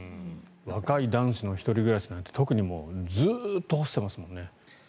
若い男子の１人暮らしなんて特にずっと干してますもんね。